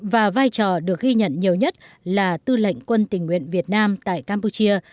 và vai trò được ghi nhận nhiều nhất là tư lệnh quân tình nguyện việt nam tại campuchia